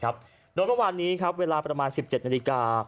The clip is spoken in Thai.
ครับโดยเมื่อวานนี้ครับเวลาประมาณสิบเจ็ดนาฬิกา